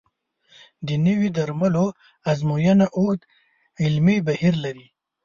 د نوي درملو ازموینه اوږد علمي بهیر لري.